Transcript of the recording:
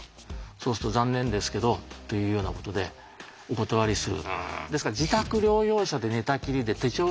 そうすると「残念ですけど」というようなことでお断りする。